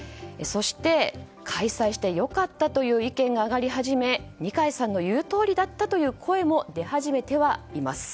そして、開催して良かったという意見が上がり始め二階さんの言うとおりだったという声も出始めてはいます。